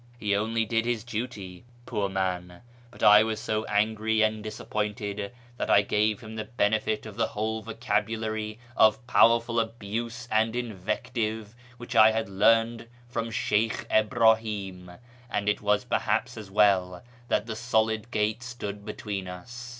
He only did his duty, poor man ; but I was so angry and dis appointed that I gave him the benefit of the whole vocabulary of powerful abuse and invective which I had learned from Sheykh Ibrahim, and it was perhaps as well that the solid gate stood be tween us.